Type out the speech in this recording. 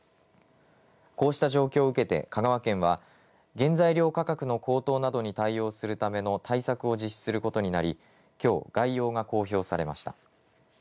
こうした状況を受けて、香川県は原材料価格の高騰などに対応するための対策を実施することになりきょう、概要が公表されました。